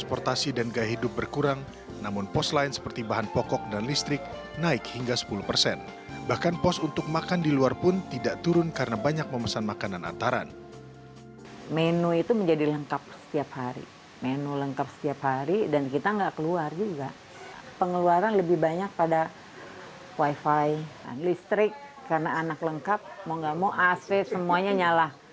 pengeluaran lebih banyak pada wifi listrik karena anak lengkap mau gak mau ac semuanya nyala